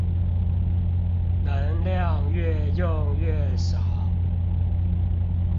能量愈用愈少